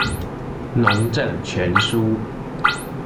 農政全書